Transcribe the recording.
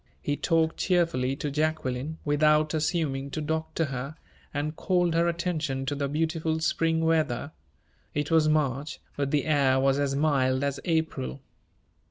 He talked cheerfully to Jacqueline, without assuming to doctor her, and called her attention to the beautiful spring weather. It was March, but the air was as mild as April.